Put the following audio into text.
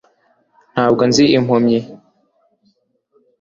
Ntabwo nzi impumyi